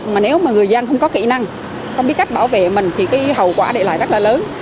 mà nếu mà người dân không có kỹ năng không biết cách bảo vệ mình thì cái hậu quả để lại rất là lớn